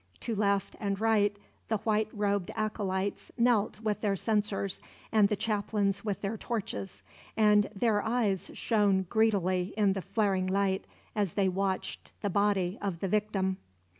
To left and right the white robed acolytes knelt with their censers and the chaplains with their torches; and their eyes shone greedily in the flaring light as they watched the Body of the Victim.